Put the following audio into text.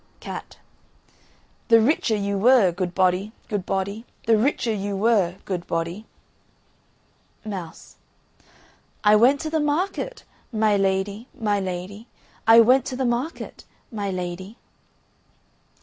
CAT. The richer you were, good body, good body, The richer you were, good body. MOUSE. I went to the market, my lady, my lady, I went to the market, my lady.